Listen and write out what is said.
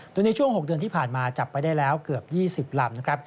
ตอนนี้ช่วง๖เดือนที่ผ่านมาจับไปได้แล้วเกือบ๒๐ลำ